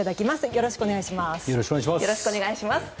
よろしくお願いします。